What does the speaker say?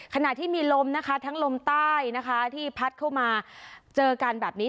ขณะที่มีลมนะคะทั้งลมใต้นะคะที่พัดเข้ามาเจอกันแบบนี้